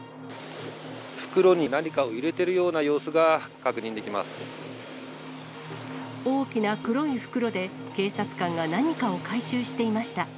袋に何かを入れているような大きな黒い袋で、警察官が何かを回収していました。